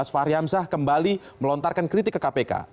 fahri hamzah kembali melontarkan kritik ke kpk